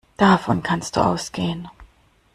Davon kannst du ausgehen.